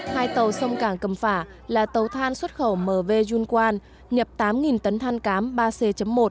hai tàu sông cảng cầm phả là tàu than xuất khẩu mv jun quan nhập tám tấn than cám ba c một